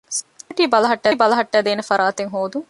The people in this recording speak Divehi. ސެކިއުރިޓީ ބަލަހައްޓައިދޭނެ ފަރާތެއް ހޯދުން